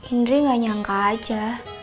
indri gak nyangka aja